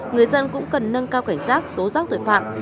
người dân cũng cần nâng cao cảnh giác tố giác tội phạm